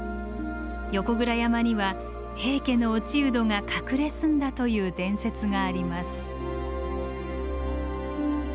横倉山には平家の落人が隠れ住んだという伝説があります。